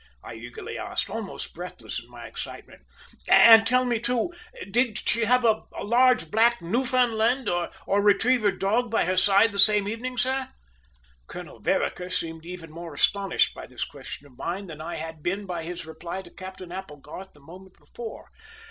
I eagerly asked, almost breathless in my excitement. "And, tell me too, did she have a large black Newfoundland or retriever dog by her side that same evening, sir?" Colonel Vereker seemed even more astonished by this question of mine than I had been by his reply to Captain Applegarth the moment before.